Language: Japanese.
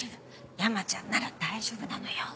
山ちゃんなら大丈夫なのよ。